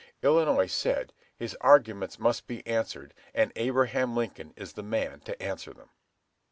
Illinois said, "His arguments must be answered, and Abraham Lincoln is the man to answer them!"